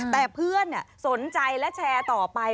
แต่เพื่อนสนใจและแชร์ต่อไป